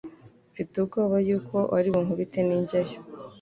mfite ubwoba yuko aribunkubite ni njyayo